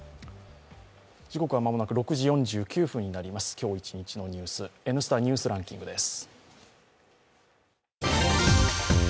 今日一日のニュース「Ｎスタ・ニュースランキング」です。